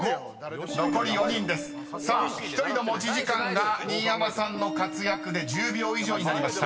［さあ１人の持ち時間が新山さんの活躍で１０秒以上になりました］